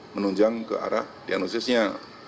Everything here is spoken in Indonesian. menunjang ke arah diagnosisnya